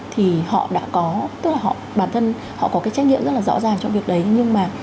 thì họ đã có tức là họ bản thân họ có cái trách nhiệm rất là rõ ràng trong việc đấy nhưng mà